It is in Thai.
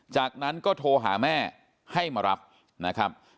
จากนั้นก็โทรหาแม่ให้มารับนะครับ